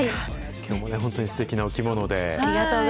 きょうもね、本当にすてきなお着物で。